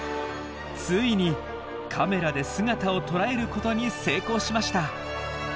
ついにカメラで姿をとらえることに成功しました。